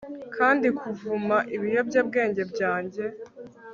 kandi, kuvuma ibiyobyabwenge byanjye